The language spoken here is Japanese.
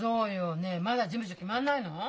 ねえまだ事務所決まんないの？